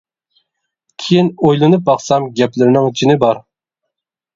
كېيىن ئويلىنىپ باقسام گەپلىرىنىڭ جېنى بار.